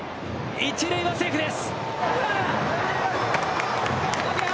一塁はセーフです。